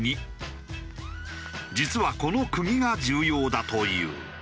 実はこの釘が重要だという。